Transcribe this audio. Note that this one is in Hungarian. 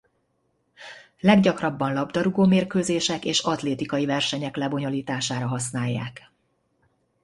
Leggyakrabban labdarúgó-mérkőzések és atlétikai versenyek lebonyolítására használják.